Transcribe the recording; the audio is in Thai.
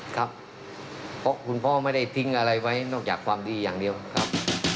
ครับเพราะคุณพ่อไม่ได้ทิ้งอะไรไว้นอกจากความดีอย่างเดียวครับ